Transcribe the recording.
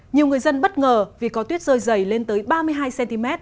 nhiều người dân bất ngờ vì có tuyết rơi dày lên tới ba mươi hai cm